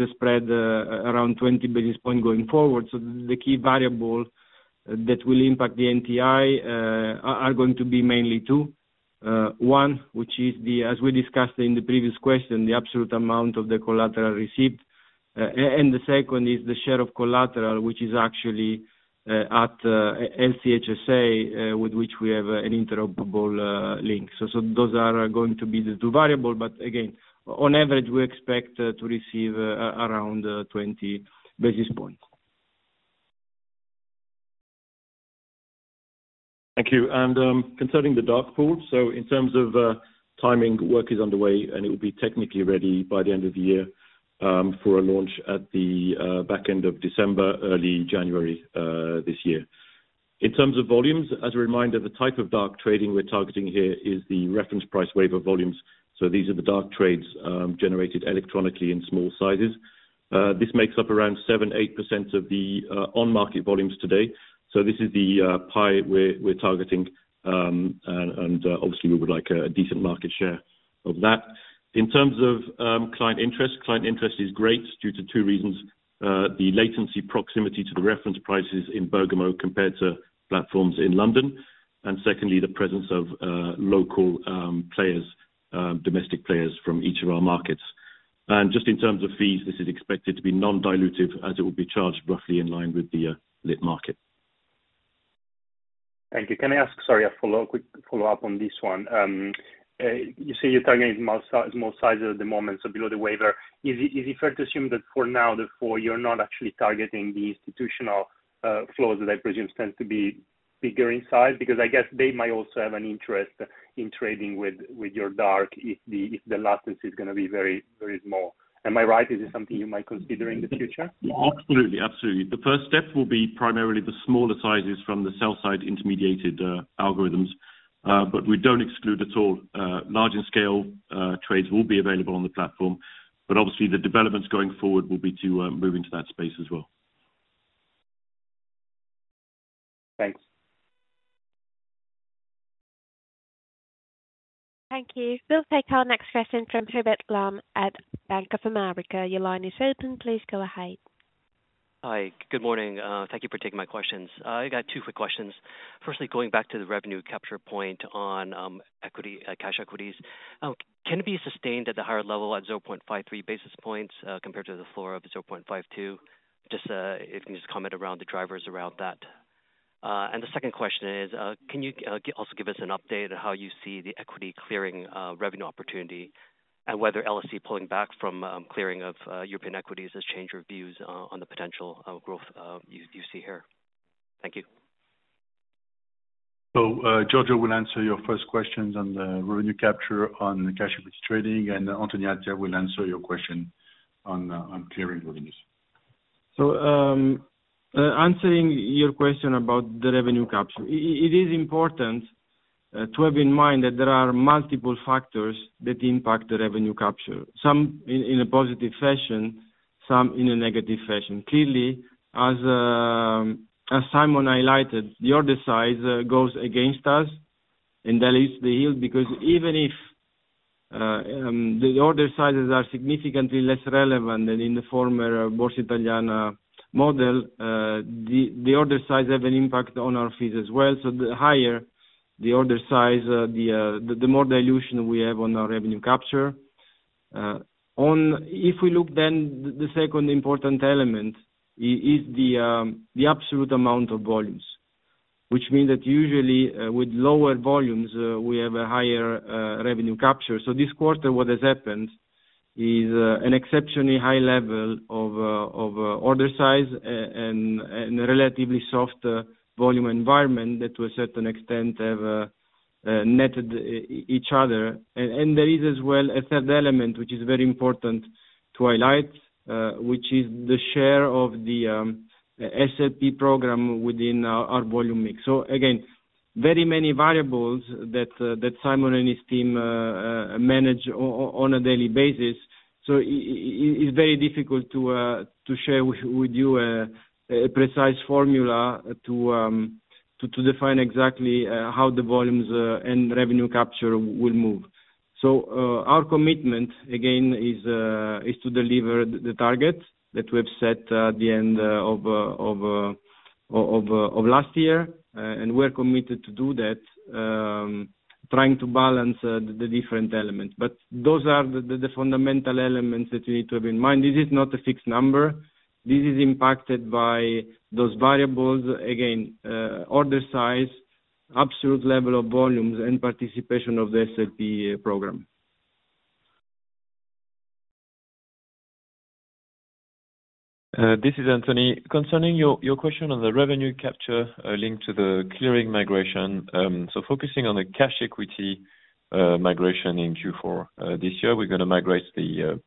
a spread around 20 basis point going forward. The key variable that will impact the NTI are going to be mainly two. One, which is the, as we discussed in the previous question, the absolute amount of the collateral received. The second is the share of collateral, which is actually at LCH SA, with which we have an interoperable link. So those are going to be the two variable, but again, on average, we expect to receive around 20 basis points. Thank you. Concerning the dark pool, in terms of timing, work is underway, and it will be technically ready by the end of the year, for a launch at the back end of December, early January, this year. In terms of volumes, as a reminder, the type of dark trading we're targeting here is the reference price waiver volumes, so these are the dark trades, generated electronically in small sizes. This makes up around 7%-8% of the on-market volumes today. This is the pie we're, we're targeting, and, and, obviously we would like a decent market share of that. In terms of, client interest, client interest is great due to two reasons: the latency proximity to the reference prices in Bergamo compared to platforms in London, and secondly, the presence of, local, players, domestic players from each of our markets. Just in terms of fees, this is expected to be non-dilutive as it will be charged roughly in line with the, lit market. Thank you. Can I ask, sorry, a follow-up, quick follow-up on this one? You say you're targeting small sizes at the moment, so below the waiver. Is it, is it fair to assume that for now, therefore, you're not actually targeting the institutional flows that I presume stand to be bigger in size? Because I guess they might also have an interest in trading with, with your dark if the if the latency is gonna be very, very small. Am I right? Is this something you might consider in the future? Absolutely, absolutely. The first step will be primarily the smaller sizes from the sell side intermediated, algorithms. We don't exclude at all, larger scale, trades will be available on the platform, but obviously the developments going forward will be to, move into that space as well. Thanks. Thank you. We'll take our next question from Hubert Lam at Bank of America. Your line is open. Please go ahead. Hi, good morning. Thank you for taking my questions. I got two quick questions. Firstly, going back to the revenue capture point on equity cash equities. Can it be sustained at the higher level at 0.53 basis points compared to the floor of 0.52? Just if you can just comment around the drivers around that. The second question is, can you also give us an update on how you see the equity clearing revenue opportunity, and whether LSE pulling back from clearing of European equities has changed your views on the potential growth you see here? Thank you. Giorgio will answer your first questions on the revenue capture on the cash equity trading, and Anthony Attia will answer your question on clearing revenues. Answering your question about the revenue capture, it is important to have in mind that there are multiple factors that impact the revenue capture, some in, in a positive fashion, some in a negative fashion. Clearly, as Simon highlighted, the order size goes against us, and that is the yield. Because even if the order sizes are significantly less relevant than in the former Borsa Italiana model, the order sizes have an impact on our fees as well. The higher the order size, the, the, the more dilution we have on our revenue capture. If we look, then, the second important element is the absolute amount of volumes, which means that usually, with lower volumes, we have a higher revenue capture. This quarter, what has happened is an exceptionally high level of order size and a relatively soft volume environment that to a certain extent have netted each other. And there is as well, a third element, which is very important to highlight, which is the share of the SLP program within our volume mix. Again, very many variables that Simon and his team manage on a daily basis. It's very difficult to share with you a precise formula to define exactly how the volumes and revenue capture will move. Our commitment again, is to deliver the target that we have set at the end of last year. We're committed to do that, trying to balance the different elements. Those are the, the, the fundamental elements that you need to have in mind. This is not a fixed number. This is impacted by those variables, again, order size absolute level of volumes and participation of the SLP program. This is Anthony. Concerning your, your question on the revenue capture, linked to the clearing migration. Focusing on the cash equity migration in Q4 this year, we're gonna migrate the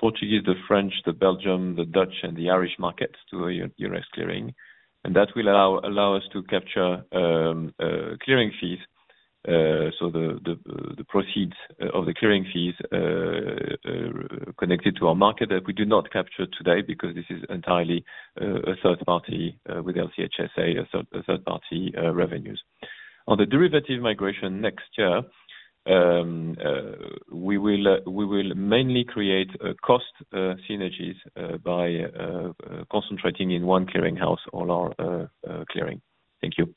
Portuguese, the French, the Belgium, the Dutch, and the Irish markets to Eurex clearing. That will allow, allow us to capture clearing fees, so the, the, the proceeds of the clearing fees connected to our market that we do not capture today, because this is entirely a third party, with LCH SA, a third, a third party revenues. On the derivative migration next year, we will, we will mainly create a cost synergies by concentrating in one clearing house, all our clearing. Thank you.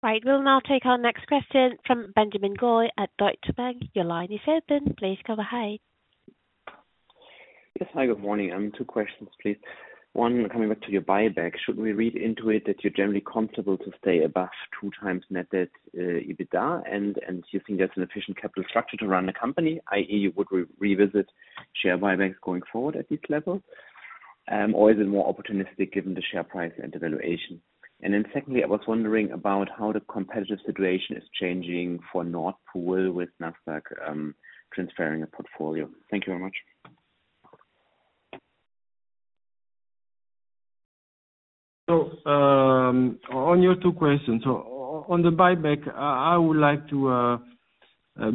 Right. We'll now take our next question from Benjamin Goy at Deutsche Bank. Your line is open. Please go ahead. Yes, hi, good morning. Two questions, please. One, coming back to your buyback. Should we read into it that you're generally comfortable to stay above 2x net debt EBITDA, and you think that's an efficient capital structure to run the company, i.e., would re-revisit share buybacks going forward at this level? Or is it more opportunistic given the share price and valuation? Secondly, I was wondering about how the competitive situation is changing for Nord Pool with Nasdaq transferring a portfolio. Thank you very much. On your two questions. On the buyback, I, I would like to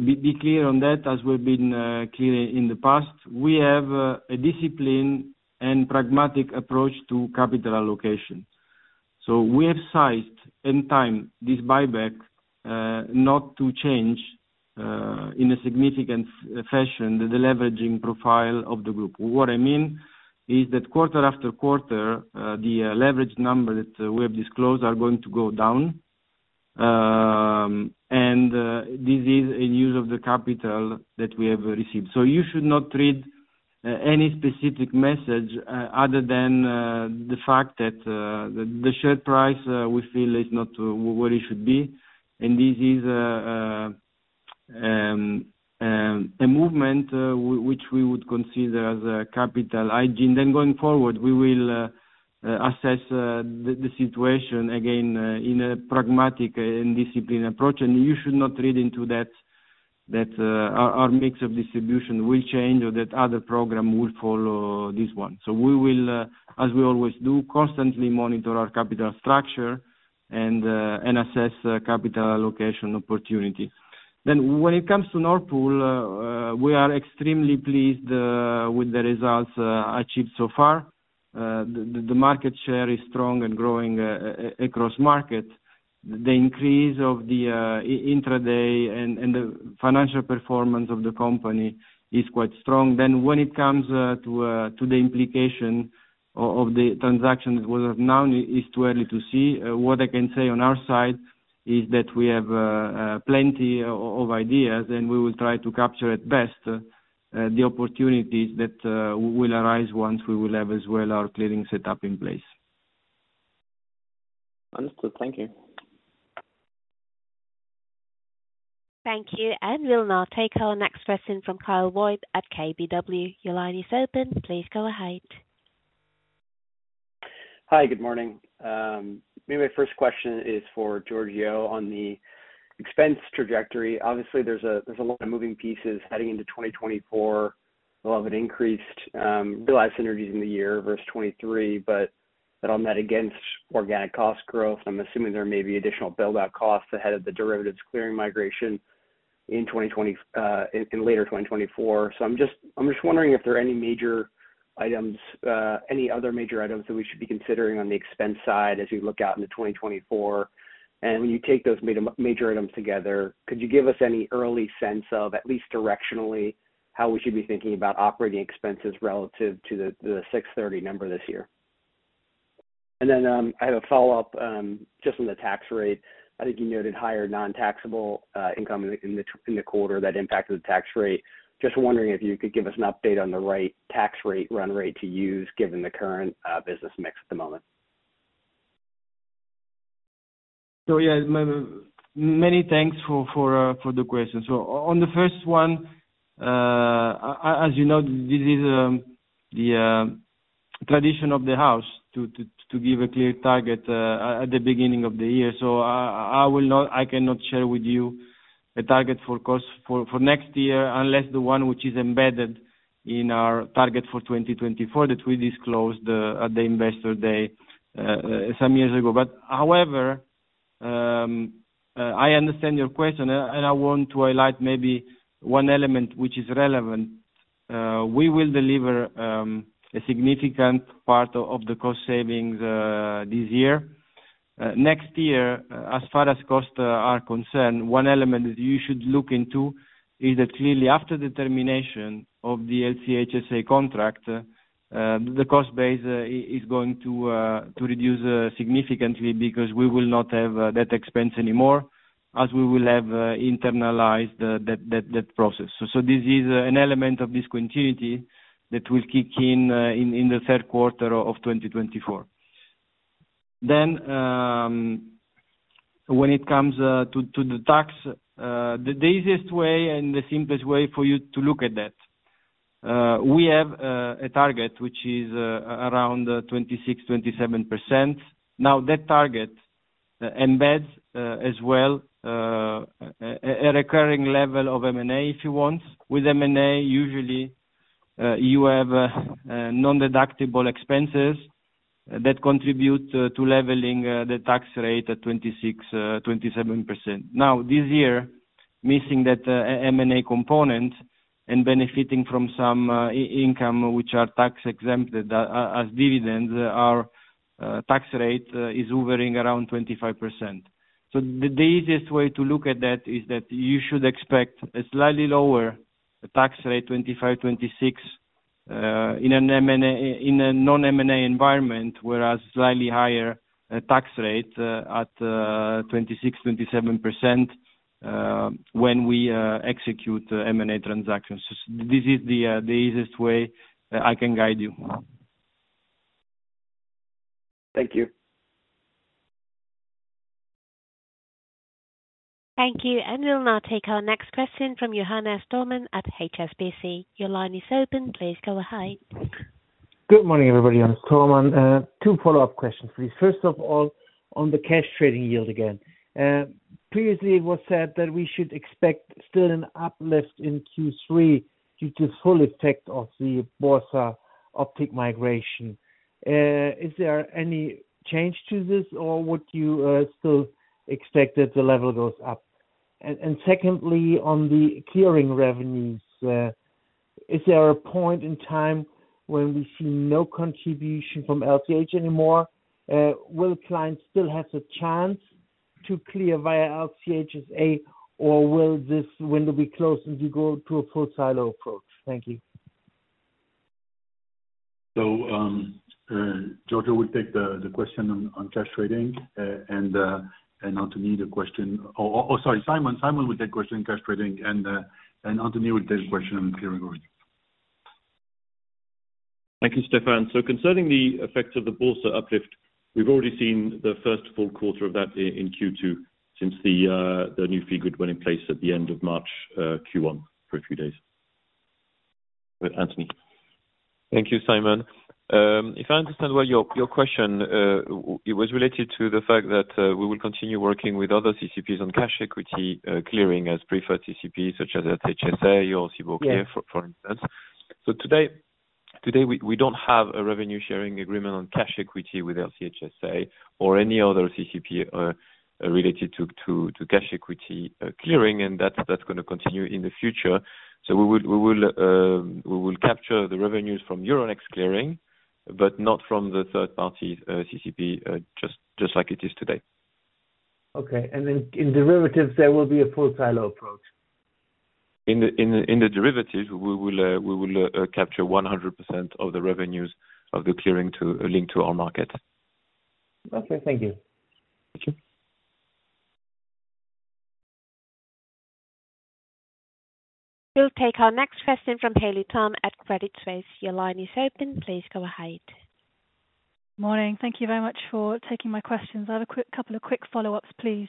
be clear on that as we've been clear in the past. We have a discipline and pragmatic approach to capital allocation. We have sized in time this buyback not to change in a significant fashion, the leveraging profile of the group. What I mean is that quarter after quarter, the leverage number that we have disclosed are going to go down. This is a use of the capital that we have received. You should not read any specific message other than the fact that the share price we feel is not where it should be. This is a movement which we would consider as a capital item. Going forward, we will assess the situation again in a pragmatic and disciplined approach. You should not read into that, that our mix of distribution will change or that other program will follow this one. We will, as we always do, constantly monitor our capital structure and assess the capital allocation opportunity. When it comes to Nord Pool, we are extremely pleased with the results achieved so far. The market share is strong and growing across market. The increase of the intraday and the financial performance of the company is quite strong. When it comes to the implication of the transactions, well, now it's too early to see. What I can say on our side is that we have plenty of ideas, and we will try to capture at best, the opportunities that will arise once we will have our clearing setup as well in place. Understood. Thank you. Thank you. We'll now take our next question from Kyle Voigt at KBW. Your line is open. Please go ahead. Hi, good morning. Maybe my first question is for Giorgio on the expense trajectory. Obviously, there's a lot of moving pieces heading into 2024. We'll have an increased realized synergies in the year versus 2023, but that on net against organic cost growth, I'm assuming there may be additional build-out costs ahead of the derivatives clearing migration in later 2024. I'm just wondering if there are any major items, any other major items that we should be considering on the expense side as we look out into 2024? When you take those major, major items together, could you give us any early sense of, at least directionally, how we should be thinking about operating expenses relative to the 630 number this year? I have a follow-up, just on the tax rate. I think you noted higher non-taxable income in the quarter that impacted the tax rate. Just wondering if you could give us an update on the right tax rate, run rate to use, given the current business mix at the moment. Yeah, many thanks for, for the question. On the first one, as you know, this is the tradition of the house to, to, to give a clear target at the beginning of the year. I cannot share with you a target for cost for, for next year, unless the one which is embedded in our target for 2024, that we disclosed at the investor day some years ago. However, I understand your question, and I want to highlight maybe one element which is relevant. We will deliver a significant part of the cost savings this year. Next year, as far as costs are concerned, one element that you should look into is that clearly after the termination of the LCH SA contract, the cost base is going to reduce significantly because we will not have that expense anymore, as we will have internalized that, that, that process. So this is an element of discontinuity that will kick in in the Q3 of 2024. Then when it comes to the tax, the easiest way and the simplest way for you to look at that, we have a target which is around 26%-27%. Now, that target embeds as well a recurring level of M&A, if you want. With M&A, usually, you have non-deductible expenses that contribute to leveling the tax rate at 26%-27%. Now, this year, missing that M&A component and benefiting from some income which are tax-exempted as dividends, our tax rate is hovering around 25%. The easiest way to look at that, is that you should expect a slightly lower tax rate, 25%-26%, in an M&A in a non-M&A environment, whereas slightly higher tax rate at 26%-27% when we execute the M&A transactions. This is the easiest way that I can guide you. Thank you. Thank you. We'll now take our next question from Johannes Thormann at HSBC. Your line is open. Please go ahead. Good morning, everybody, Johannes Thormann. Two follow-up questions, please. First of all, on the cash trading yield again. Previously it was said that we should expect still an uplift in Q3, due to full effect of the Borsa Optiq migration. Is there any change to this, or would you still expect that the level goes up? Secondly, on the clearing revenues, is there a point in time when we see no contribution from LCH anymore? Will clients still have the chance to clear via LCH SA, or will this window be closed and you go to a full silo approach? Thank you. Giorgio will take the, the question on, on cash trading, and, and Anthony, the question or, or, sorry, Simon, Simon will take question cash trading and, and Anthony will take the question on clearing road. Thank you, Stéphane. Concerning the effects of the Borsa uplift, we've already seen the first full quarter of that in, in Q2, since the new figure went in place at the end of March, Q1 for a few days. With Anthony. Thank you, Simon. If I understand well, your, your question, it was related to the fact that we will continue working with other CCPs on cash equity clearing as preferred CCP, such as LCH SA or CBOE, for instance. Yes. Today, today, we don't have a revenue sharing agreement on cash equity with LCH SA or any other CCP, related to cash equity clearing, and that's going to continue in the future. We will capture the revenues from Euronext Clearing, but not from the third-party CCP, just like it is today. Okay. Then in derivatives, there will be a full silo approach? In the derivatives, we will capture 100% of the revenues of the clearing to link to our market. Okay, thank you. Thank you. We'll take our next question from Haley Tam at Credit Suisse. Your line is open. Please go ahead. Morning. Thank you very much for taking my questions. I have a quick, couple of quick follow-ups, please.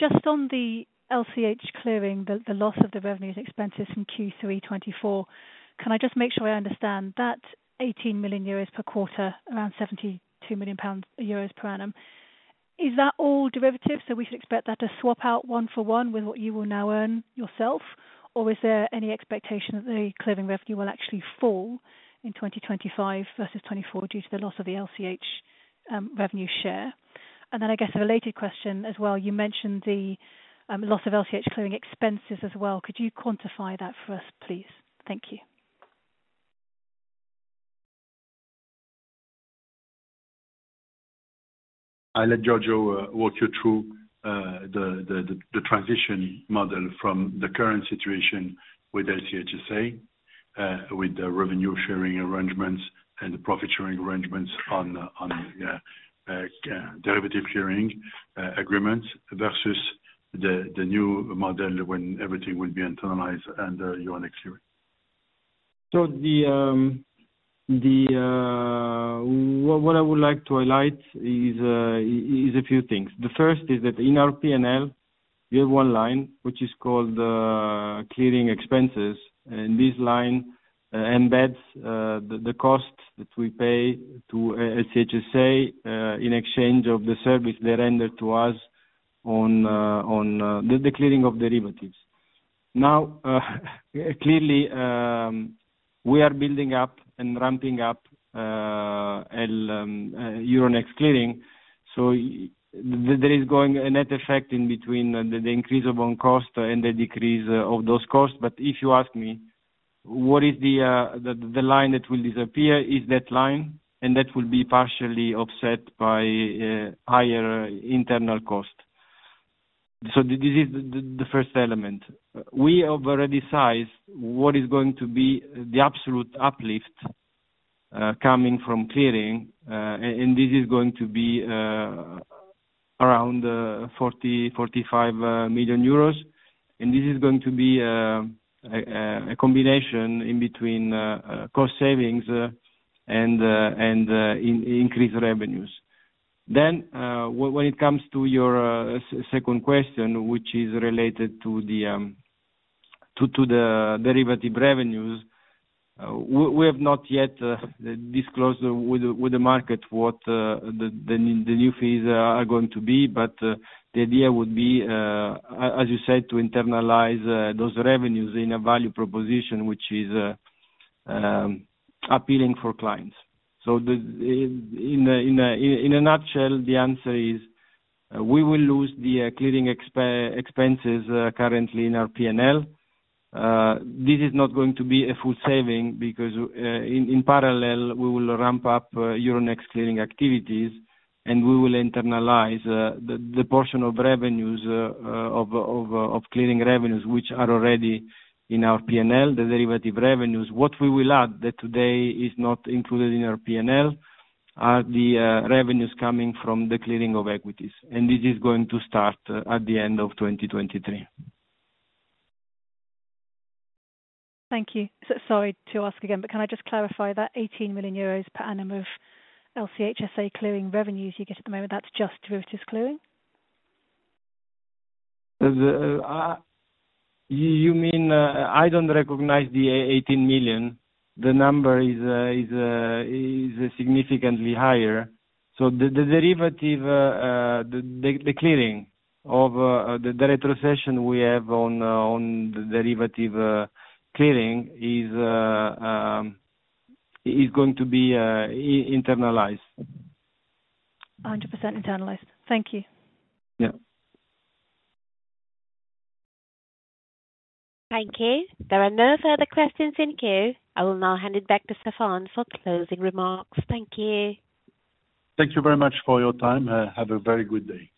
Just on the LCH clearing, the loss of the revenue's expenses in Q3 2024. Can I just make sure I understand, that 18 million euros per quarter, around EUR 72 million per annum? Is that all derivatives, so we should expect that to swap out one for one with what you will now earn yourself, or is there any expectation that the clearing revenue will actually fall in 2025 versus 2024 due to the loss of the LCH revenue share? I guess a related question as well, you mentioned the loss of LCH clearing expenses as well. Could you quantify that for us, please? Thank you. I'll let Giorgio walk you through the, the, the transition model from the current situation with LCH SA, with the revenue sharing arrangements and the profit-sharing arrangements on, on, derivative sharing, agreements versus the, the new model when everything will be internalized and, Euronext to it. What I would like to highlight is a few things. The first is that in our P&L, we have one line, which is called clearing expenses, and this line embeds the cost that we pay to LCH SA in exchange of the service they render to us on on the clearing of derivatives. Now clearly, we are building up and ramping up Euronext Clearing, so there is going a net effect in between the increase of on cost and the decrease of those costs. If you ask me, what is the line that will disappear is that line, and that will be partially offset by higher internal cost. This is the first element. We have already sized what is going to be the absolute uplift coming from clearing, and this is going to be around 40-45 million euros, and this is going to be a combination in between cost savings and increased revenues. When it comes to your second question, which is related to the derivative revenues, we have not yet disclosed with the market what the new fees are going to be. The idea would be, as you said, to internalize those revenues in a value proposition, which is appealing for clients. The, in a nutshell, the answer is, we will lose the, clearing expenses, currently in our PNL. This is not going to be a full saving because, in parallel, we will ramp up, Euronext Clearing activities, and we will internalize, the portion of revenues of clearing revenues, which are already in our PNL, the derivative revenues. What we will add that today is not included in our PNL, are the revenues coming from the clearing of equities, and this is going to start at the end of 2023. Thank you. Sorry to ask again, can I just clarify that 18 million euros per annum of LCH SA clearing revenues you get at the moment, that's just derivatives clearing? You mean, I don't recognize the 18 million. The number is significantly higher. The derivative, the clearing of the retrocession we have on the derivative clearing is going to be internalized. 100% internalized. Thank you. Yeah. Thank you. There are no further questions in queue. I will now hand it back to Stéphane for closing remarks. Thank you. Thank you very much for your time. Have a very good day.